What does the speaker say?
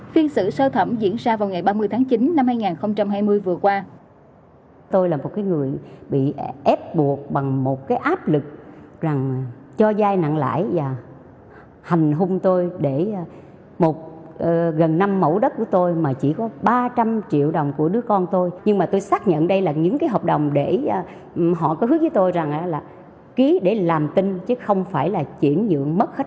phiên xử sơ thẩm diễn ra vào ngày ba mươi tháng chín năm hai nghìn hai mươi vừa qua